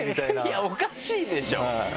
いやおかしいでしょ！